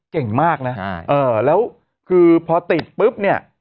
เก่งมากแล้วคือพอติดปุ๊บ